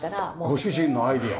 ご主人のアイデア？